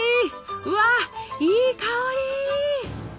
うわいい香り！